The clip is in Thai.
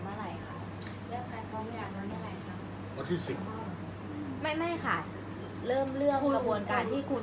อันไหนที่มันไม่จริงแล้วอาจารย์อยากพูด